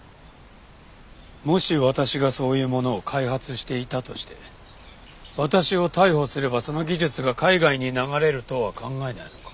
もし私がそういうものを開発していたとして私を逮捕すればその技術が海外に流れるとは考えないのか？